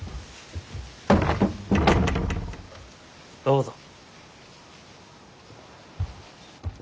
どうぞ。